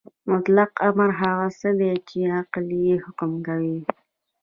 مطلق امر هغه څه دی چې عقل یې حکم کوي.